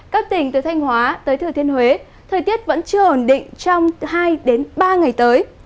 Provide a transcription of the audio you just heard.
các tỉnh từ thanh hóa tới thừa thiên huế thời tiết vẫn chưa ổn định trong hai ba ngày tới